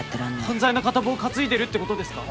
犯罪の片棒担いでるってことですか。